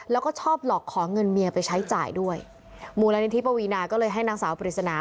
แล้วก็ชอบหลอกขอเงินเมียไปใช้จ่ายด้วยมูลนิธิปวีนาก็เลยให้นางสาวปริศนา